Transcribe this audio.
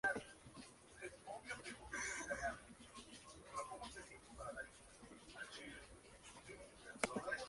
El doble vínculo es basado en la paradoja hecha contradicción.